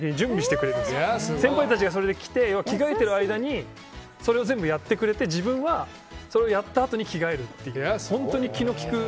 それで先輩たちが来て着替えてる間にそれを全部やってくれて自分はそれをやったあとに着替えるっていう本当に気の利く。